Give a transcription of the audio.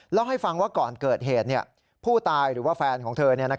เล่าให้ฟังว่าก่อนเกิดเหตุผู้ตายหรือว่าแฟนของเธอ